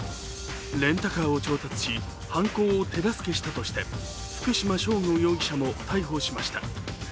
レンタカーを調達し、犯行を手助けしたとして福島聖悟容疑者も逮捕しました。